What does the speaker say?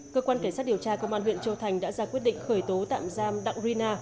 cơ quan cảnh sát điều tra công an huyện châu thành đã ra quyết định khởi tố tạm giam đặng rina